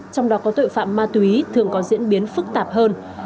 trong đó có tội phạm ma túy thường có diễn biến phức tạp hơn